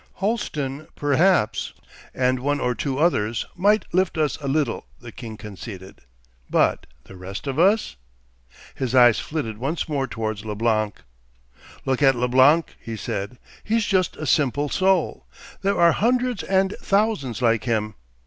'Holsten, perhaps, and one or two others, might lift us a little,' the king conceded. 'But the rest of us?' His eyes flitted once more towards Leblanc. 'Look at Leblanc,' he said. 'He's just a simple soul. There are hundreds and thousands like him.